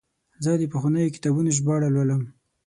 زه د پخوانیو کتابونو ژباړه لولم.